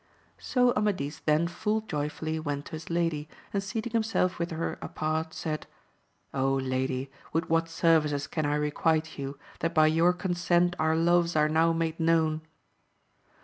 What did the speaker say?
So Amadis then full joyfully went to his lady, and seating himself with her apart, said, O lady, with what services can I requite you, that by your consent our loves are now made known